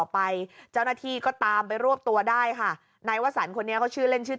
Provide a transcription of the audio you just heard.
ไปเจ้าหน้าที่ก็ตามไปรวบตัวได้ค่ะนายวสันคนนี้เขาชื่อเล่นชื่อ